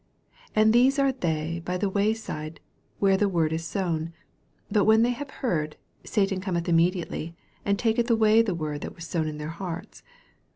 15 And these are they by the way side, where the word is sown ; but when they have heard, Satan cometh immediately, and taketh away the word that was sown in their hearts.